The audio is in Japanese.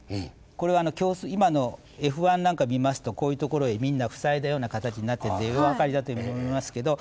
これは今のＦ１なんか見ますとこういうところへみんな塞いだような形になってるんでお分かりだというふうに思いますけど。